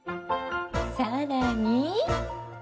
更に。